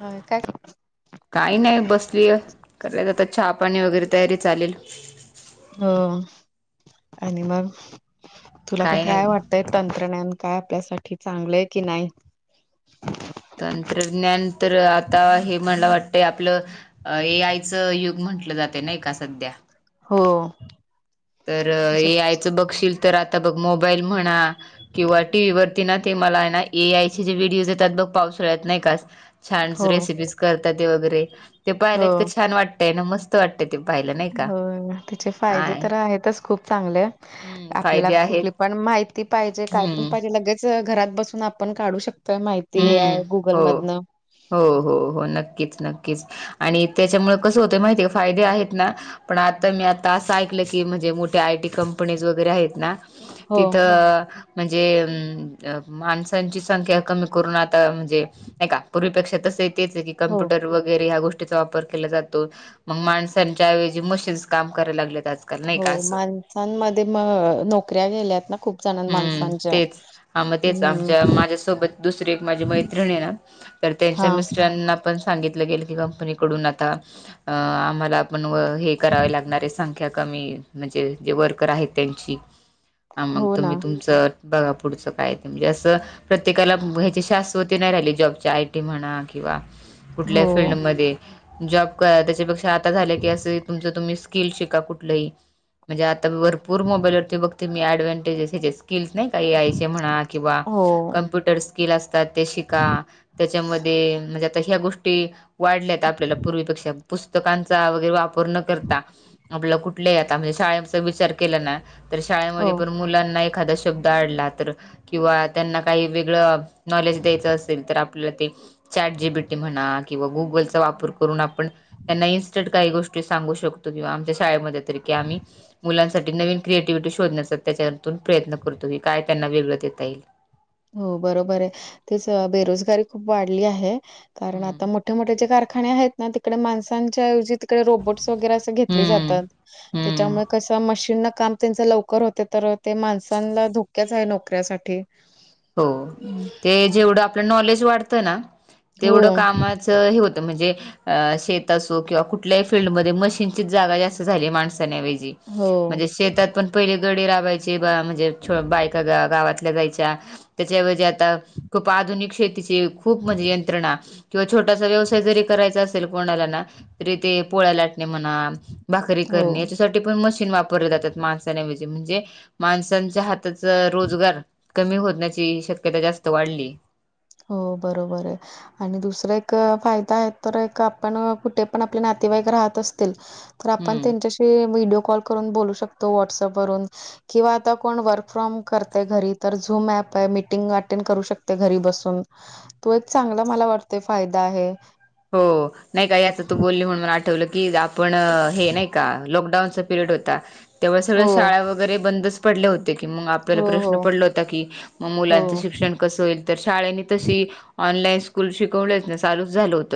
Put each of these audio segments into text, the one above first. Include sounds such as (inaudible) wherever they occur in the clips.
हा काय काही नाही बसलीय कय जातात छहापाणी वगैरे तयारी चालेल हो आणि मग तुला कस काही नाही काय वाटत ते तंत्रज्ञान काय आपल्यासाठी चांगलंय की नाही? तंत्रज्ञान तर आता हे मला वाटतंय आपलं ए आयचं युग म्हंटलं जाते ना का सध्या. हो. तर त्याचे ए आयचं बघशील तर आता बघ मोबाईल म्हणा किंवा टी व्ही वरती ना ते मला ना ए आयचे जे व्हिडिओज येतात बघ पाऊसळत नाही का अ छान हो रेसिपीज करतात वगैरे ते हो पाहियलात तर छान वाटतय ना मस्त वाटतय ते पाहा होय त्याचे फायदे तर आहेतच खूप चांगलं हम्म आपल्याला फायदे आहेत कुठली पण माहिती पाहिजे काय पण हम्म पाहिजे लगेच च घरात बसून आपण काढू शकतोय माहिती ए आय हम्म हो गुगलमधन. हो हो हो नक्कीच नक्कीच आणि त्याच्यामुळे कसं होत माहिती का फायदे आहेत ना पण आता मी आता असं ऐकलं की म्हणजे मोठ्या आय टी कंपनीज वगैरे आहेत ना हो तिथ म्हणजे अ माणसांची संख्या कमी करून आता म्हणजे नाही का पूर्वीपेक्षा तसंही तेच हे की हो कमप्युटर वगैरे ह्या गो प्टींचा वापर केला जातो म माणच्या ऐवजी मशीनस काम कराय लागले आज हो माणसांमध्ये म नोकऱ्या गेल्यात ना खूप जणां हम्म माणसांच्या. तेच हा म तेच हम्म आमच्या माझ्यासोबत दुसरी एक माझी मैत्रिणी ये ना तर हा त्यांच्या मिस्ट्रांना पण सांगितलं गेल की कंपनीकडून आता अ आम्हाला आपण हे करावे लागणारे संख्या कमी म्हणजे जे वर्कर आहेत त्यांची. हा मग हो ना तुम्ही तुमचं बघा पुढचं काय ये ते म्हणजे असं प्रत्येकाला ह्याचे शास त्वती नाही राहिली जॉबच्या आय टी म्हणा किंवा हो कुठल्याही फीलल्डमध्ये जॉब काय त्याच्यापेक्षा आता झालं की असं ही तुमच तुम्ही स्किल शिका कुठलंही म्हणजे आता भरपूर मोबाईलवरती बघते मी अडव्हनटेजेस हेचे स्किल्स नाही काही ए आय चे म्हणा किंवा हो कम्प्युट टर स्किल असतात ते शिका त्याच्यामध्ये म्हणजे आता ह्या गोष्टी वाढल्यात आपल्याला पूर्वीपेक्षा पुस्तकांचा वगैरे वापर न करता आपला कुठल्याही आता म्हणजे शाळेचा विचार केला ना तर हो शाळेमध्ये पण मुलांन एखादा शब्द आडला तर किंवा त्यांना काही वेगळं नॉलेज द्यायचं असेल तर आपल्याला ते चॅट जी बी टी म्हणा किंवा गुगलचा वापर करून आपण त्यांना इन्स्टंट काही गोष्टी सांगू शकतो किंवा आमच्या शाळेमध्ये तरी की आम्ही मुलांसाठी नवीन क्रिएटिव्हटी शोधण्याचा त्याच्यावरतुन प्रयत्न करतो की काय त्यांना वेगळं देता येईल. हो बरोबर आहे तेच बेरोजगारी खूप वाढली आहे. कारण हम्म आता मोठे मोठे जे कारखाने आहेत ना तिकडे माणसांच्या ऐवजी तकडे रोबोट वगैरे अस घेतले हम्म जातात हम्म त्याच्यामुळे कस मशीन काम त्यांच लवकर होते तर ते माणसांना धोक्याच आहे नोकऱ्यासाठी. हो हं. ते जेवढं आपलं नॉलेज वाढतं ना हो, तेवढं कामात च हे होतं म्हणजे अ शेत असो किंवा कुठलंही फिल्डमध्ये मशीनच चीच जागा जास्त झालीये माणसान ऐवजी हो, म्हणजे शेतात पण पहिली गडे राबायचे म्हणजे छो बायका गा गावातल्या जायच्या त्याच्याऐवजी आता खूप आधुनिक शेतीची खूप म्हणजे यंत्रणा किंवा छोटासा व्यवसाय जरी करायचा असेल कोणाला ना तरी ते पोळ्या लाटणे म्हणा भाकरी हो. करणे याच्यासाठी पण मशीन वापरले जातात माणसान ऐवजी म्हणजे माणसांच्या हात ताच रोजगार कमी होण्याची शक्यता जास्त वाढली ये. हो बरोबर आहे. आणि दुसरा एक फायदा आहे तर एक आपण कुठे पण आपले नातेवाईक राहत असतील तर आपण हम्म त्यांच्याशी व्हिडीओ कॉल करून बोलू शकतो व्हॉट्सअप वरून किंवा आता कोण वर्क फ्रॉम करते घरी तर झूम ऍप आहे मीटिंग अटेंड करू शकते घरी बसून तूम तो एक चांगला मला वाटतय फायदा आहे. हो नाही काय याच तू बोलली म्हणून आठवल की आपण हे नाही का लॉकडाऊनचा पिरड होता तेव्हा सगळ्या हो, शाळा वरे बंदच पडले होते की मंग आपल्याला हो, प्रश्न हो, पडला होता की म मुलांचं हो, शिक्षण कस होईल तर शाळेंनी तशी ऑनलाईन स्कूल शिकवलच ना चालूच झालं होत.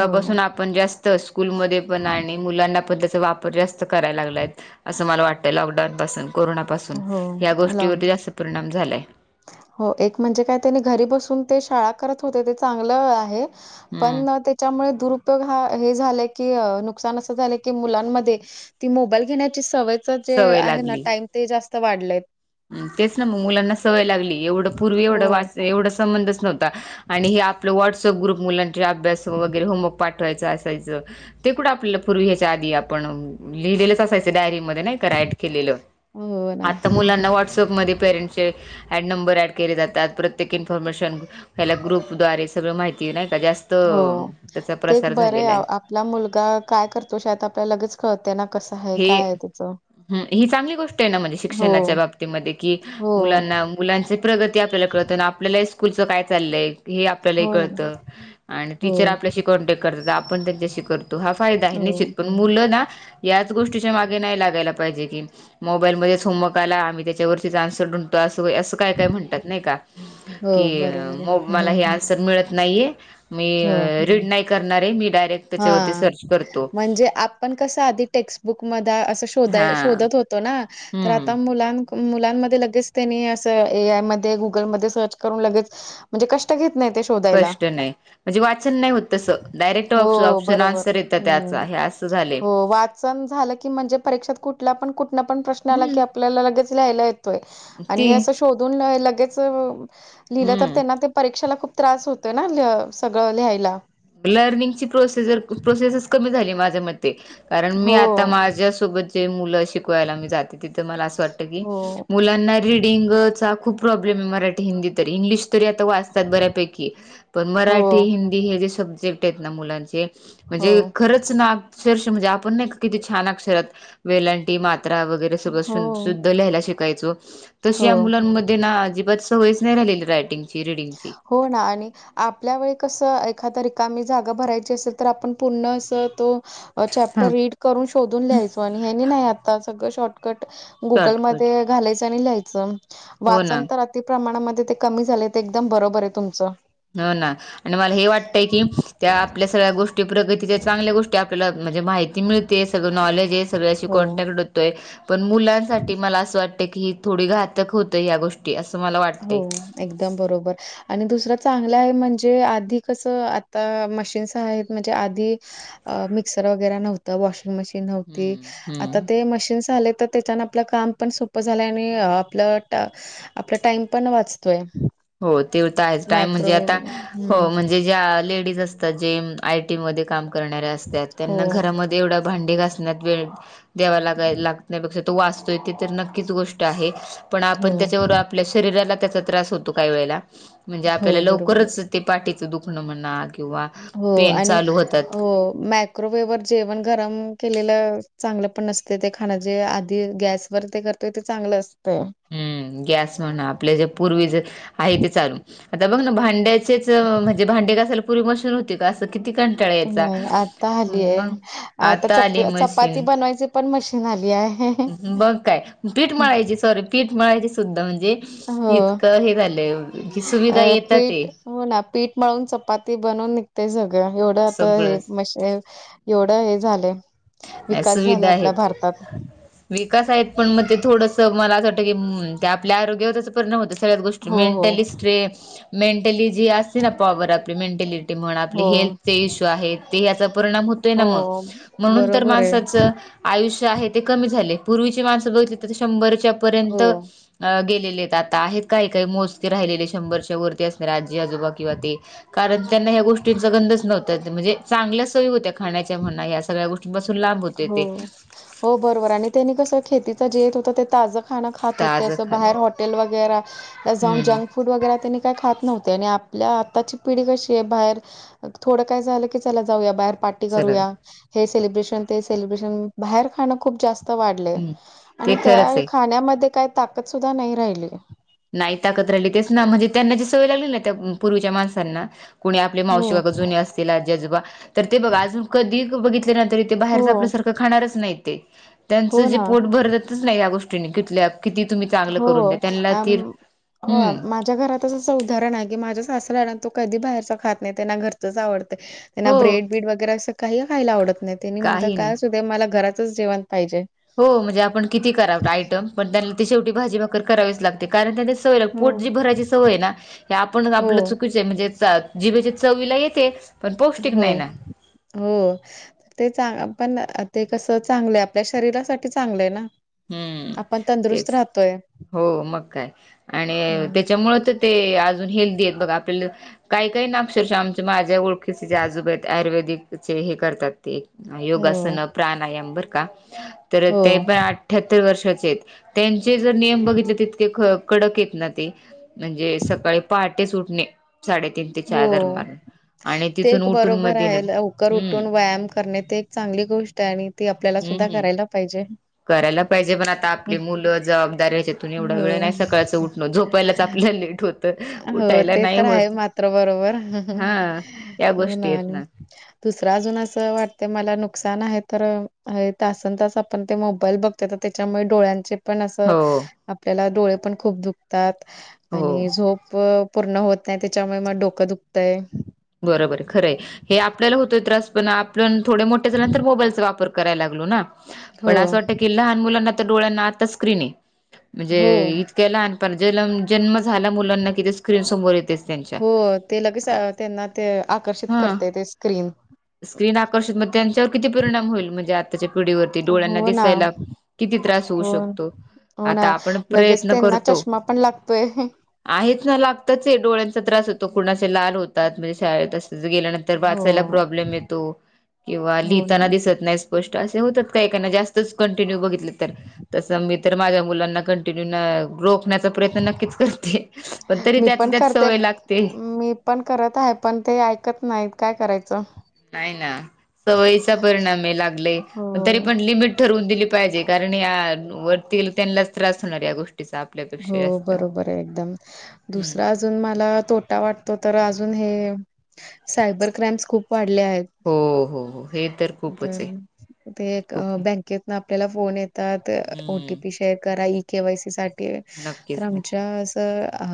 हो, आपण जास्त स्कूलमध्ये पण आणि मुलांना पण त्याचा वापर जास्त करायला लागला यत असं मला वाटतंय लॉकडाऊन पासून कोरोना पासून या हो. लॉ गोष्टीवरती जास्त परिणाम झालाय. हो एक म्हणजे काय त्यानी घरी बसून ते शाळा करत होते ते चांगलं आहे. हम्म पण त्याच्यामुळे दुर ग हा हे झालंय की नुकसान असं झालंय की मुलांमध्ये ती मोबाईल घेण्याची सवय - - च जे सवय आहे ना लागली टाइम ते जास्त वाढलय. तेच ना मग मुलांना सवय लागली एवढं पूर्वी एवढ हो, वाच एवढा संबंधच नव्हत. आणि हे आपलं व्हॉट्सअप ग्रुप मुलांचे अभ्यास वगैरे होमवर्क पाठवायचं असायचं. ते कुंठ आपल्याला पूर्वी ह्याच्या आधी आपण लिहिलेलंच असायचं. ते डायरी मध्ये नाही क राईट केलेल हो ना. आता मुला व्हॉटसअपमध्ये पेरेट्सचे ॲड नंबर ॲड केले जातात परत - प्रत्येक इन्फॉर्मेशन याला ग्रुप द्वारे सगळं माहिती नाही का जास्त हो त्याचा ते एक प्रसार बरंय झालेला आहे आपला मुलगा काय करतो शत आपल्या लगेच कळतय ना कस हाय. हे काय आहे त्याच. हम ही चांगली गोष्ट आहे ना म्हणजे शिक्षणाच्या बाबतीमध्ये की हो, मुलांना मुलांची प्रगती आपल्याला कळत आणि आपल्यालाही स्कुलच काय चालय हे आपल्यालाही हो ना. कळत आणि हो, टिचर अपल्याशी कॉन्टॅक्ट करतो आपण त्यांच्याशी करतो हा फायदा निश्चित हो, पण मुलं ना याच गोष्टीच्या मागे नाही लागायला पाहिजे की मोबाईलमध्येच होमवर्क आला आम्ही त्याच्यावरतीच आन्सर ढूंढ तो अस होय अस काय काय म्हणतात नाही का हो कि बरोबर आहे. मोब - हं, मला हं. हे सर मिळत नाहीये मी रीड नाही करणार आहे मी डायरेक्ट त्याच्यावरती हा सर्च करतो म्हणजे आप आपण कसं आधी टेक्स्टबुक मध अस शोध हा शोधत होतो ना तर आता हम्म मुलां क मुलांमध्ये लगेच तेनी असं ए आयमध्ये गुगलमध्ये सर्च करून लगेच म्हणजे कष्ट घेत नाही ते शोधायला कष्ट नाही म्हणजे वाचन नाही होत तसं. डायरेक्ट हो ऑप्शन बरोबर आन्सर येतं त्याचा हम्म. हे असं झाले हो वाचन झालं की म्हणजे परीक्षात कुठला पण कुठन पण प्रश्न आला की हम्म आप आपल्याला लगेच लिहायला येतोय आणि ती हे अस शोधून लगेच लिहिलं तर हम्म त्यांना ते परीक्षेला खूप त्रास होतोय ना ल सगळं लिहायला. लर्निंगची प्रोसेसर प्रोसेसस कमी झाली माझ्या मते ते कारण मी हो आता माझ्यासोबत जे मुलं शिक कवायला मो जाते तिथ मला अस वाटत की हो मुलांना रीडिंग चा खूप प्रॉब्लेम आहे मराठी हिंदी तरी इंग्लिश तरी आता वाचतात बऱ्यापैकी पण हो मराठी हिंदी हे जे सब्जेक्ट आहेत ना मुलांचे हो म्हणजे खरंच ना अक्षरशः म्हणजे आपण नाही का किती छान अक्षरात वेलंटी मात्रा वगैरे जस हो बसून शुद्ध लिहायला शिकायचो तशी या हो मुलांमध्ये ते ना अजिबातच सवयच नाही राहिल ले रायटिंग ची रीडिंग ची हो ना आणि आपल्या वेळी कसं एखादा रिकामी जागा भरायची असेल तर आपण पूर्ण असं तो हा चॅप्टर रीड करून शोधून लिहायचो आणि हेनी नाही आता सगळं शॉर्टकट शॉर्टकट गुगलमध्ये घालायचं आणि लिहायचं हो वाचन ना तर अति प्रमाणामध्ये ते कमी झालय ते एकदम बरोबर आहे तुमचं हो ना आणि मला हे वाटतय की त्या आपल्या सगळ्या गोष्टी प्रगतीच्या चांगल्या गोष्टी ते आपल्याला म्हणजे माहिती मिळते सगळं नॉलेज आहे सगळ्याशी हो कॉन्टॅक्ट पण मुलांसाठी मला असं वाटत की ही थोडी घातक होत ह गोष्टी असं मला हो वाटतं एकदम बरोबर आणि दुसरं चांगलं आहे म्हणजे आधी कसं आता मशीन्स आहेत म्हणजे आधी मिक्सर वगैरे नव्हतं वॉशिंग मशीन नव्हती हम्म, आता हम्म. ते मशीन्स आले तर त्याच्यान आपलं काम पण सोपं झालंय आणि आपलं आपला टाइम पण वाचतोय हो तेीवथ आहेच टायम म्हणजे आता मायक्रोवेव्ह हो हं. म्हणजे ज्या लेडीज अस आता जे आय टीमध्ये काम करणाऱे असतात त्यांना हो, घरामध्ये एवढं भांडी घासण्यात वेळ द्यावा लाग लाग नाहीपेक्षा तो वाचतोय ते तर नक्कीच गोष्ट आहे पण हो, आपण त्याच्यावर आपल्या शरीराला त्याचा त्रास होतो काही वेळेला म्हणजे आपल्याला हो बरोबर आहे. लवकरच ते पाठीचं दुखणं म्हणा किंवा हो पेन आणि चालू होतात हो मॅ मायक्रोवेव्हवरर जेवण गरम केलेलं चांगलं पण नसते ते खाणं जे आधी गॅसवर ते कर तथ चांगलं असतय हम्म गॅस म्हणा आपले जे पूर्वी ज आहे ते चालू आता बघ ना भांड्याचेच म्हणजे भांडे कसााल पुरी मशून हो अस किती कंटाळायचा नाही आता आली आहे. मग आता चप आली चपाती मशीन बनवायची पण मशीन आली आहे बघ काय पीठ मळायची सॉरी पीठ मळायची सुद्धा म्हणजे हो इतकं हे झालंय कि सुविधा अ येतात ते पीठ हो ना पीठ मळून चपाती बनवून निघते सगळं एवढं आता हे सगळंच. मे एवढं हे झालंय नाही विकास झालाय सुविधा आपल्या आहेत. भारतात विकास आहेत पण मग ते थोडंस मला असं वाटतं की ते आपल्या आरोग्यावर हो हो (inaudible) जी असते ना पॉवर आपली मेंटेलिटी म्हण आपली हो हेल्थचे इश्यू आहेत ते याचा परिणाम होतोय ना हो मग म्हणून तर बरोबर आहे माणसाच आयुष्य आहे ते क झाले पूर्वीची माणसं बघितली तर शंभरच्या पर्यंत हो गेलेले आहेत आता आहेत काही काही मोजती राहिलेले शंभरच्या वरती राजी आजोबा किंवा ते कारण त्यांना ह्या गोष्टींचा गंधच नव्हत म्हणजे चांगल्या सयी होत्या खाण्याच्या म्हणा या सगळ्या गोष्टींपासून लांब होते ते हो हो बरोबर आणि त्यांनी कसं खेतीचा जे येत होता ते ताज. ख खात होते ताजं अस बाहेर खाणं हॉटेल वगैर जा हम्म जं. फूड वगैरे त्यांनी काही खात नव्हते आणि आपल्या आत्ताची पिढी कशी आहे बाहेर. थोडं काय झालं की चला जाऊया बाहेर पा. ू सरळ स्रेशब्र बा ख. खूप जास्त वाढले हम्म ते आणि खरंच त्या आहे. खाण्यामध्ये काही ताकद सुद्धा नाही राहिली. नाही ताकत राहिली तेच ना म्हणजे त्यांना जी सवय लागली ना त्या पूर्वीच्या माणसांना. कुणी आपले मावशी हो, बाग जुने असतीलजजोबा तर ते बघा अजून कधी बघित. बा हो, ख नाही त्यां हो ना. भ. नाही या गोष्टील्या किती तुम्ही चांगलं हो करून द्या त्यांना. ती हो हम्म माझ्या घरात. सं उदाहरण आहे की माझ्या सासरा आणि तो कधी बाहेरच खात नाही त्यांना घरचच आवडते. त्यांना हो ब्रेड बीड वगैरे असं काही खायला आवडत नाही त्यांनी म्हणतात काही का नाही. सुध मला घरातच जेवण पाहिजे. हो म्हणजे आपण किती कराव आयटम पण त्यांना ते शेटी भाजी भाकर करावीच लागते. ते कारण त्यांनी सवय ला हो पोट जी भरायची सवय ना. हे आपणच हो आपलं चुकीचे म्हणजे जिभेचे चवीला येते. पण पौष्टिक नाही होम. ना हो ते चांग पण ते कसं चांगलंय आपल्या शरीरासाठी चांगलंय ना. हम्म आपण तंदुरुस्त तेच राहतोय हो मग काय आणि हम्म. त्याच्यामुळ.. ते अजून हेल्दी आहेत बघा आपल्याला काही काही नापक्षरश आमच्या माझ्या ओळख. तिचे आजोब आहेत आयुर्वेदिक चे हे करतात ते हो योगासन प्राणायाम बर का. तर हो ते पण अठ्यात्तर वर्षाचे आहेत. त्यांचे जर नियम बघितले तितके क कडक आहेत ना ते म्हणजे सकाळी पहाटेच उठणे साडेतीन च्या हो. दरम्यान आणि ते तिथून एक उठून बरोबर मग आहे येणार लवकर हम्म उठून व्यायाम करणे ते एक चांगली गोष्ट आहे आणि ती आपल्याला हम्म सुद्धा हम्म करायला पाहिजे. करायला पाहिजे पण आता आपली हम्म. मुलं जबाबदाऱ्या त्यातून एवढा वेळ हो. नाही सकाळचं उठणं झोपायलाच आपल्याला लेट होत. हो उठायला ते नाही तर आहे होत मात्र बरोबर. हा या हो ना. गोष्टी आहेत दुसर अजून असं वाटते मला नुकसान आहे तर तासन तास आपण ते मोबाईल बघतो तर आता त्याच्यामुळे डोळ्यांचे पण अस हो आपल्याला डोळे पण खूप दुखतात हो आणि झोप अह पूर्ण होत नाही त्याच्यामुळे मग डोकं दुखतय. बरोबर खरं आहे. हे आपल्याला होतोय त्रास पण आपण थोडे मोठे झाल्यानंतर मोबाईलचा वापर करायला लागलो ना. हो पण असं वाटत की लहान मुलांना तर डोळ्यांना आता स्क्रीन आहे म्हणजे हो इतक्या लहान पण जनम जन्म झाला मुलांना कि ते स्क्रीन समोर येतेच. त्यांच्या हो ते लगेच त्यांना ते आकर्षित हा करते ते स्क्रीन. स्क्रीन आकर्षित मग त्यांच्यावर किती परिणाम होईल म्हणजे आ त्याच्या पिढीवरती डोळ्यांना हो ना दिसायला किती त्रास होऊ हो शकतो. हो ना आता आपण लगेच प्रयत्न त्यांना करतो चष्मा पण लागतोय. आहेच ना लागतच हे डोळ्यांचा त्रास होतो कुणाचे लाल होतात म्हणजे शाळेत अस गेल्यानंत तर हो वाचाला प्रॉब्लेम येतो किंवा हो ना लिहिताना दिसत नाही. गोष्ट असे होतात काहीकाहीन जास्तच कंटिन्यू बघितलं तर तसं मी तर माझ्या मुलांना कंटिन्यू न रोख ण्याचा प्रयत्न नक्कीच करते पण तरी मी त्यातल्या त्यात करते. सवय लागते. मी पण करत आहे पण ते ऐकत नाहीत काय करायचं. नाही ना सवयीचा परिणाम हे लागलाय हो पण तरी पण लिमिट ठरवून दिली पाहिजे कारण या वरती त्यांनलाच त्रास होणार या गोष्टीचा. हो आपल्यापेक्षा जास्त बरोबर आहे एकदम हम्म दुसराच अजून मला तोटा वाटतो तर अजून हे सायबर क्राईम्स खूप वाढले आहेत. हो हो हो हे खूपच तर आहे ते एक खूप आहे बँकेत न आपल्याला फोन येतात ओ टी हम्म पी शेअर करा ई केे वाय सी साठी ते तर नक्कीच नक्की आमच्या अस अ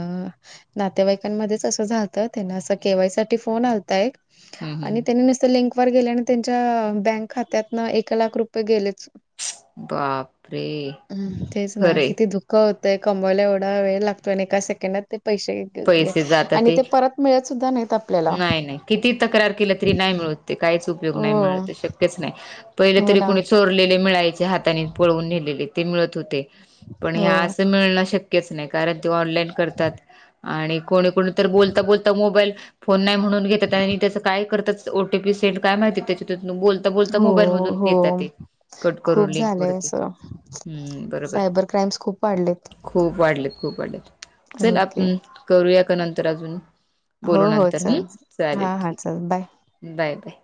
नातेवाईकांमध्येच असं झा त तर त्यांना असा के हम्म वाय साठी फोन आलता एक हम्म आणि हम्म. त्यांनी नुसत लिंक वर गेल्यान त्यांच्या बँक खात्यातन एक लाख रुपये गेलेच. बापरे हम्म तेच ना खरे किती दुख ख होतंय कमवायला एवढा वेळ लागतोय आणि एका सेकंडात ते पैसेे पैसे जातात आणि ते परत मिळत सुद्धा नाहीत आप नाही नाही कितीही तक्रार केली तरी नाही मिळत ते काहीच उपयोग हो, नाही मिळत ते शक्यच नाही. पहिले हो तरी ना. कोणी चोरलेले मिळायचे हाताने पळवून नेलेले ते मिळत होते. पण हे हो, असं मिळणं शक्यच नाही कारण ते ऑनलाईन करतात आणि कोणी कोणी तर बोलता बोलता मोबाईल फोन नाही म्हणून घेतात आणि त्याचं काय करता ओ टी पी सेंड काय माहिती त्याच्यात्यातून बोल बोलता हो, मोबाईल मधून घेतात हो. ते. कट खूप करून लिंक झालंय वरती असं. हम्म बरोबर. सायबर क्राईम्स खूप वाढलेत. खूप वाढलेत खूप वाढलेत चल ओके. आपण करूया का नंतर अजून हो बोलू हो नंतर हम्म चल चालेल हा हा ठीक आहे. चल बाय. Bye bye.